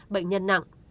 bệnh nhân nặng